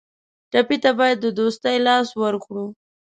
ټپي ته باید د دوستۍ لاس ورکړو.